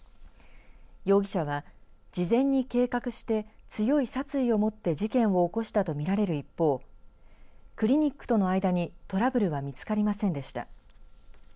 容疑者は事前に計画して強い殺意を持って事件を起こしたと見られる一方クリニックとの間にトラブルは見つかりませんでした。